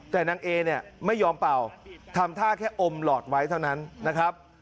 แต่นางเอเนี่ยไม่ยอมเป่าทำท่าแค่อมหลอดไว้เท่านั้นนะครับ